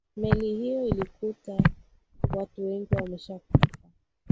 meli hiyo ilikuta watu wengi wameshakufa